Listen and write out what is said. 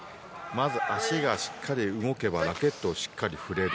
まず足がしっかり動けばラケットをしっかり振れる。